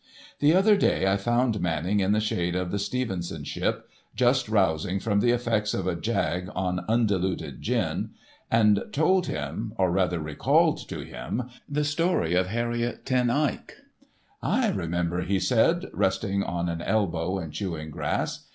The other day I found Manning in the shade of the Stevenson ship, just rousing from the effects of a jag on undiluted gin, and told him, or rather recalled to him the story of Harriett Ten Eyck. "I remember," he said, resting on an elbow and chewing grass.